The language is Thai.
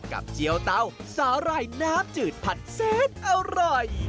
กับเจียวเตาสาลายน้ำจืดผัดเซนอร่อย